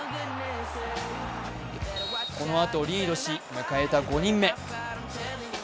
このあとリードし迎えた５人目。